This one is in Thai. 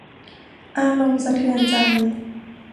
อารมณ์สะเทือนใจ